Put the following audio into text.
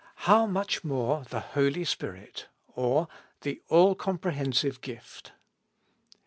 How much more the Holy Spirit;*' or, The AlI=Comprehensive Gift.